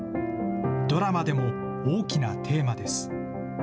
ドラマでも大きなテーマです。